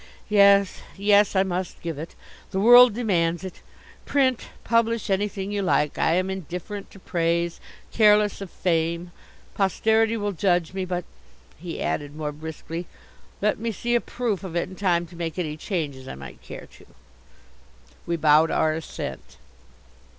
Yes, yes, I must give it. The world demands it. Print, publish anything you like. I am indifferent to praise, careless of fame. Posterity will judge me. But," he added more briskly, "let me see a proof of it in time to make any changes I might care to." We bowed our assent.